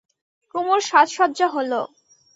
কুমুর সাজসজ্জা হল।